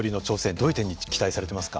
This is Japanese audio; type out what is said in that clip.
どういう点に期待されていますか。